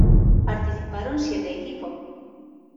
Participaron siete equipos.